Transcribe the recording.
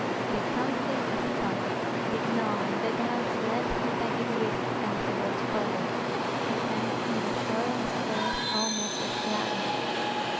The conflict of thought, the gnawing, the doubts left him by degrees, and he rode forward; he sank in the shoreless forest almost with gladness.